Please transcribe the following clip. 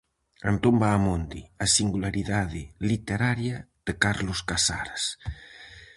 Antón Baamonde: A singularidade literaria de Carlos Casares.